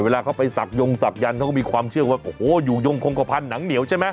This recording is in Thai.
เวลาเขาไปศักดงศักยันต์เขาก็มีความเชื่อว่าโอ้โหอยู่ยงคงกระพันธ์หนังเหนียวใช่ไหม